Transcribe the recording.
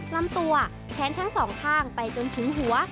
ลำตัวแขนทั้งสองข้างไปจนถึงหัว